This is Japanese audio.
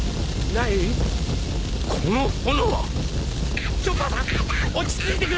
ない？